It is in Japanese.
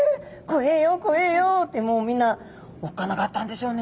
こええよこええよ」ってもうみんなおっかなかったんでしょうね。